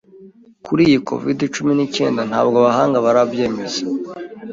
Kuri iyi Covid-cumi nicyenda ntabwo abahanga barabyemeza